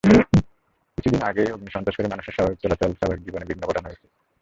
কিছুদিন আগেই অগ্নি-সন্ত্রাস করে মানুষের স্বাভাবিক চলাচল, স্বাভাবিক জীবনে বিঘ্ন ঘটানো হয়েছিল।